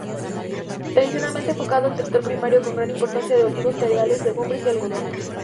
Tradicionalmente enfocado al sector primario con gran importancia de olivos, cereales, legumbres y algodón.